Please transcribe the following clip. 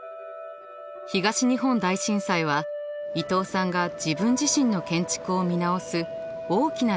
東日本大震災は伊東さんが自分自身の建築を見直す大きな出来事でした。